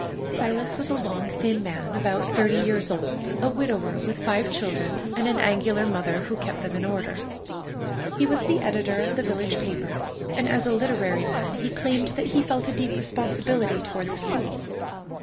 Silas was a long, thin man about thirty years old, a widower with five children, and an angular mother, who kept them in order. He was the editor of the village paper, and as a literary man he claimed that he felt a deep responsibility toward the school.